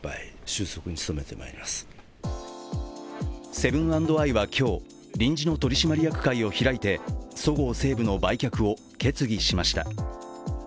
セブン＆アイは今日、臨時の取締役会を開いて、そごう・西武の売却を決議しました。